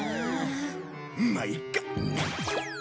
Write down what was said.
まあいいか。